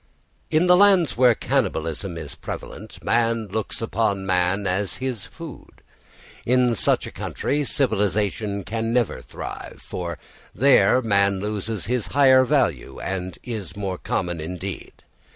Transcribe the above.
In the lands where cannibalism is prevalent man looks upon man as his food. In such a country civilisation can never thrive, for there man loses his higher value and is made common indeed.